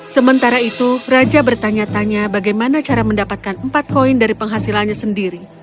sementara itu raja bertanya tanya bagaimana cara mendapatkan empat koin dari penghasilannya sendiri